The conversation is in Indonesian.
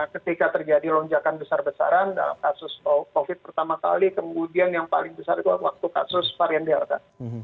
ketika terjadi lonjakan besar besaran dalam kasus covid pertama kali kemudian yang paling besar itu waktu kasus varian delta